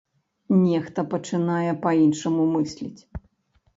Нехта пачынае па-іншаму мысліць.